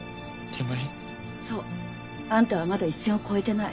そう。あんたはまだ一線を越えてない。